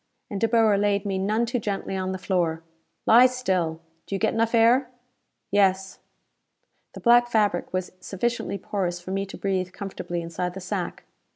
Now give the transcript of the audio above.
And De Boer laid me none too gently on the floor. "Lie still. Do you get enough air?" "Yes." The black fabric was sufficiently porous for me to breathe comfortably inside the sack.